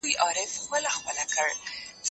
کېدای شي زه سبا درس ولولم؟!